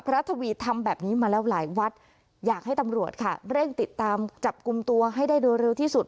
ทวีทำแบบนี้มาแล้วหลายวัดอยากให้ตำรวจค่ะเร่งติดตามจับกลุ่มตัวให้ได้โดยเร็วที่สุด